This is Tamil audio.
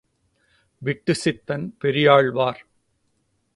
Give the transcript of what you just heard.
விட்டு சித்தன் பெரியாழ்வார்.